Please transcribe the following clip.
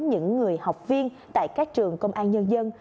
những người học viên tại các trường công an nhân dân